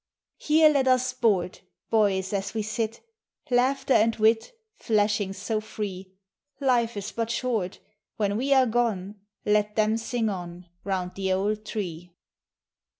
Here let us sport, Boys, as we sit.— Laughter and wit Flashing so five. Life is but short — When we are gone, Let them sing on, Kound the old tree.